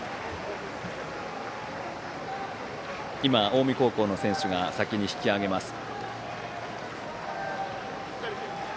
近江高校の選手が先に引き揚げます。